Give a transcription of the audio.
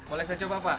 boleh saya coba pak